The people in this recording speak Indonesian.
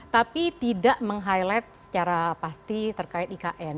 tapi tidak meng highlight secara pasti terkait ikn